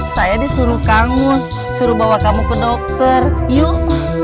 saya disuruh kangus suruh bawa kamu ke dokter yuk